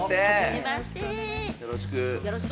よろしく！